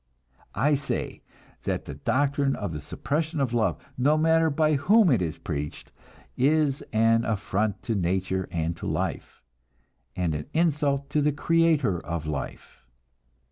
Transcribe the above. I say that the doctrine of the suppression of love, no matter by whom it is preached, is an affront to nature and to life, and an insult to the creator of life.